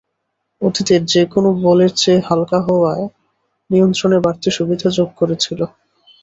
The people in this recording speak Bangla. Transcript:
অতীতের যেকোনো বলের চেয়ে হালকা হওয়ায় নিয়ন্ত্রণে বাড়তি সুবিধা যোগ করেছিল।